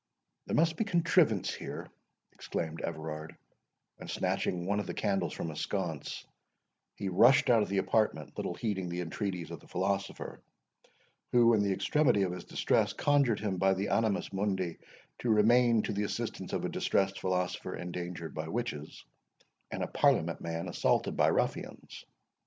"There must be contrivance here," exclaimed Everard; and snatching one of the candles from a sconce, he rushed out of the apartment, little heeding the entreaties of the philosopher, who, in the extremity of his distress, conjured him by the Animus Mundi to remain to the assistance of a distressed philosopher endangered by witches, and a Parliament man assaulted by ruffians.